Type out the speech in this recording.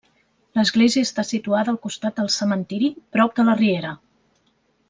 L'església està situada al costat del cementiri, prop de la riera.